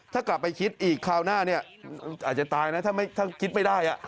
ถ้ากลับไปคิดอีกคราวหน้าเนี่ยอาจจะตายนะถ้าคิดไม่ได้